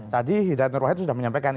tadi hidat nurwahid sudah menyampaikan